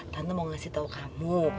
tante mau ngasih tahu kamu